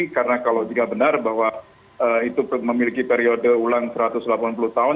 karena kalau benar bahwa itu memiliki periode ulang satu ratus delapan puluh tahun